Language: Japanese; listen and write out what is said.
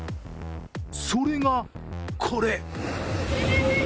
それが、これ。